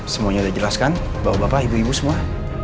semuanya udah jelas kan bapak bapak ibu ibu semua